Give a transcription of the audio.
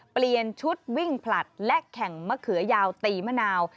เปลี่ยนชุดวิ่งผลัดและแข่งมะเขือยาวตีมะนาว